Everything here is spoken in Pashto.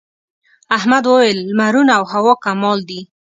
احمد وويل: لمرونه او هوا کمال دي.